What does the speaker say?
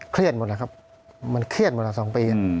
เครียดหมดแล้วครับมันเครียดหมดแล้ว๒ปี